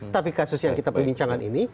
tapi kasus yang kita perbincangan ini